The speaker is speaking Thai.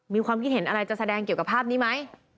มีความคิดเห็นอะไรจะแสดงเกี่ยวกับภาพนี้ไหม